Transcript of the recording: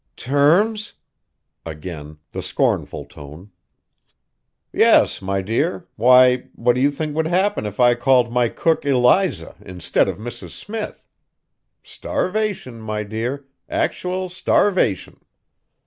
"Terms?" Again the scornful tone. "Yes, my dear! Why, what do you think would happen if I called my cook Eliza instead of Mrs. Smith? Starvation, my dear, actual starvation!